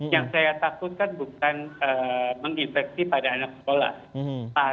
yang saya takutkan bukan menginfeksi pada anak sekolah